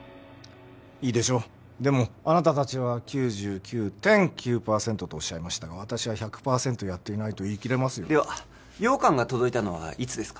いいでしょうでもあなた達は９９．９％とおっしゃいましたが私は１００％やっていないと言い切れますよでは羊羹が届いたのはいつですか？